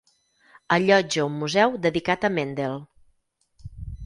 Allotja un museu dedicat a Mendel.